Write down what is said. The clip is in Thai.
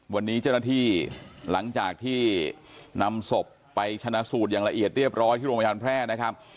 วันนี้เจ้าหน้าที่หลังจากที่นำศพไปชนะสูตรอย่างละเอียดเรียบร้อยที่โรงพยาบาลแพร่นะครับ